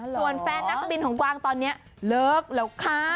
ส่วนแฟนนักบินของกวางตอนนี้เลิกแล้วค่ะ